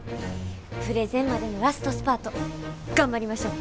プレゼンまでのラストスパート頑張りましょう！